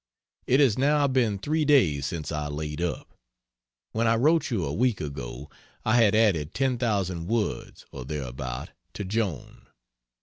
It has now been three days since I laid up. When I wrote you a week ago I had added 10,000 words or thereabout to Joan.